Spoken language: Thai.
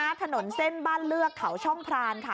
ถนนเส้นบ้านเลือกเขาช่องพรานค่ะ